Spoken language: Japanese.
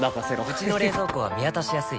うちの冷蔵庫は見渡しやすい